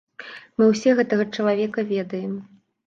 Мы ўсе гэтага чалавека ведаем.